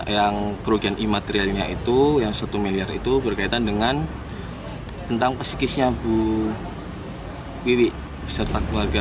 yang kerugian imaterialnya itu yang satu miliar itu berkaitan dengan tentang pesikisnya bu wiwi beserta keluarga